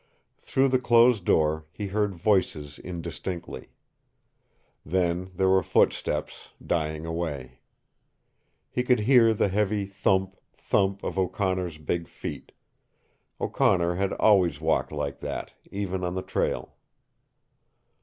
Through the closed door he heard voices indistinctly. Then there were footsteps, dying away. He could hear the heavy thump, thump of O'Connor's big feet. O'Connor had always walked like that, even on the trail.